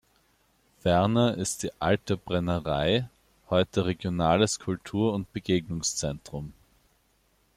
Ferner ist die "Alte Brennerei" heute regionales Kultur- und Begegnungszentrum.